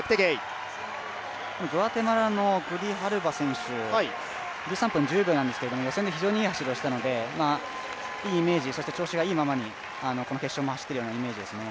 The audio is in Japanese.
グアテマラのグリハルバ選手、１３分１２秒なんですけど、予選で非常にいい走りをしたので、いいイメージ、そして調子がいいままでこの決勝も走っているイメージですね。